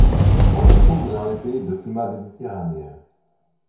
On le trouve dans les pays de climat méditerranéen.